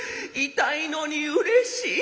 痛いのにうれしい。